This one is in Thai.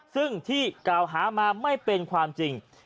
ซึ่งที่กล่าวหามาไม่เป็นความจริง